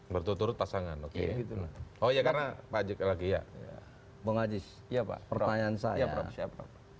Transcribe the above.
berturut turut pasangan oke oh ya karena wajib lagi ya mengajis ya pak pertanyaan saya siap